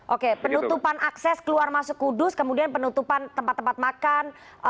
oke penutupan akses keluar masuk kudus kemudian penutupan tempat tempat makan